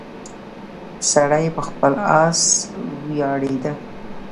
سړی په خپل اس ویاړیده.